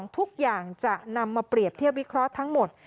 ทุกอย่างจะนำมาเปรียบเทียบวิเคราะห์ทั้งหมด